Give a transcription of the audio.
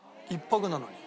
１泊なのに。